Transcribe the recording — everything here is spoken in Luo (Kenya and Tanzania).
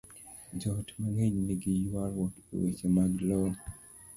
Joot mang'eny nigi ywaruok e weche mag lowo.